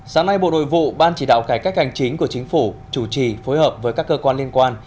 sáng nay bộ nội vụ ban chỉ đạo cải cách hành chính của chính phủ chủ trì phối hợp với các cơ quan liên quan